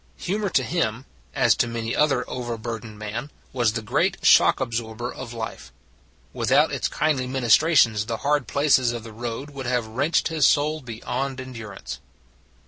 Humor to him as to many another overburdened man was the great shock absorber of life: without its kindly ministrations, the hard places of the road would have wrenched his soul beyond endurance.